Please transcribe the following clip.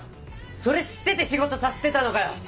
それ知ってて仕事させてたのかよ！